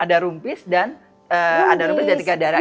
ada rumpis dan ada rumput dan tiga darah